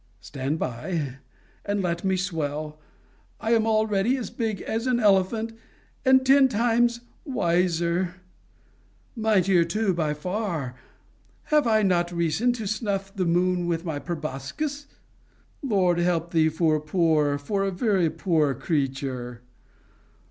Stand by, and let me swell! I am already as big as an elephant, and ten times wiser! Mightier too by far! Have I not reason to snuff the moon with my proboscis? Lord help thee for a poor, for a very poor creature!